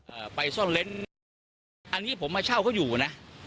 ไปซ่อนเล้นอันนี้ผมมาเช่าเขาอยู่นะ